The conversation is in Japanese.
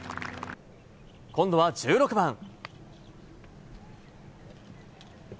今度は１６番。